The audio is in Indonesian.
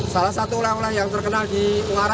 salah satu oleh oleh yang terkenal di muara